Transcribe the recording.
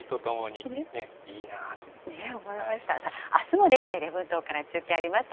あすも礼文島から中継あります。